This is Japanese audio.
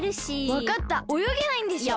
わかったおよげないんでしょ？